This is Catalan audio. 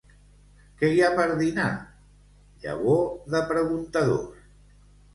—Què hi ha per dinar? —Llavor de preguntadors.